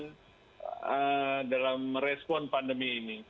dalam respon pandemi ini